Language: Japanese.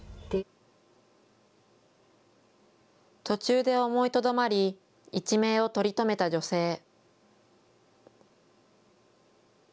途中で思いとどまり一命を取り留めた女性。